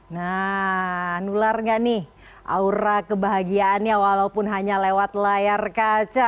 nah nular nggak nih aura kebahagiaannya walaupun hanya lewat layar kaca